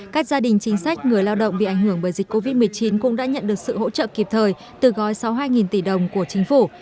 các gia đình chính sách người lao động bị ảnh hưởng bởi dịch covid một mươi chín cũng đã nhận được sự hỗ trợ kịp thời từ gói sáu mươi hai tỷ đồng của chính phủ